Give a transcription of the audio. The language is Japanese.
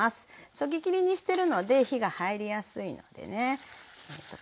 そぎ切りにしてるので火が入りやすいのでね。